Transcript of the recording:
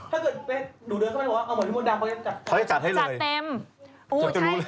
ถ้าเกิดไปดูเดินก็ไม่ได้บอกว่าเอาหมดพี่มดดำเพราะฉะนั้นจัดเต็ม